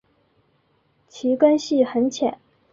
其根系很浅。